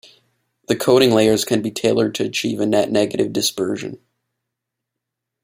The coating layers can be tailored to achieve a net negative dispersion.